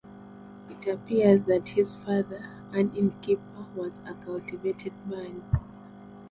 It appears that his father, an innkeeper, was a cultivated man.